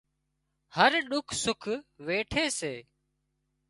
هر ڏُک سُک ويٺي سي